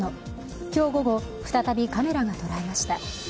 今日午後、再びカメラが捉えました。